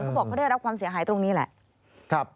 เขาบอกเขาได้รับความเสียหายตรงนี้แหละ